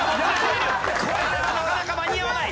これではなかなか間に合わない！